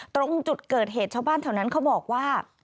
ตรงจุดเกิดเหตุชาวบ้านแถวนั้นเขาบอกว่า